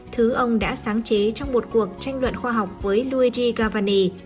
thứ ông đã sáng chế trong một cuộc tranh luận khoa học với louidry gavani